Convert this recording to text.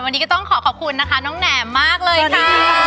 วันนี้ก็ต้องขอขอบคุณนะคะน้องแหนมมากเลยค่ะ